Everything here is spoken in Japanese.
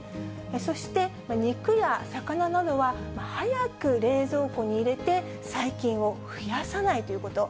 そして肉や魚などは早く冷蔵庫に入れて、細菌を増やさないということ。